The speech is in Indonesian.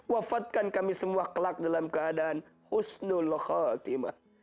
wafatkan kami semua kelak dalam keadaan husnul khatimah